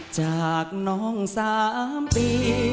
จากน้อง๓ปี